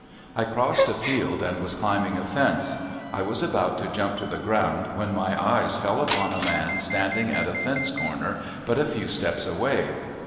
I crossed a field and was climbing a fence. I was about to jump to the ground when my eyes fell upon a man standing at a fence corner but a few steps away.